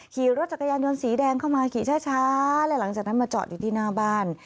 ขี่รถจักรยานยนต์สีแดงเข้ามาขี่ช้าและหลังจากนั้นมาจอดอยู่ที่หน้าบ้าน